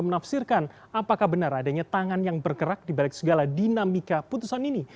menafsirkan apakah benar adanya tangan yang bergerak di balik segala dinamika putusan ini